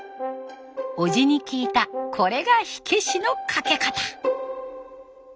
おじに聞いたこれが火消しのかけ方。